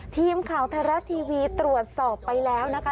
ทีมข่าวไทยรัฐทีวีตรวจสอบไปแล้วนะคะ